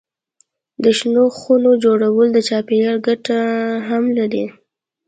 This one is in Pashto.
د شنو خونو جوړول د چاپېریال ګټه هم لري.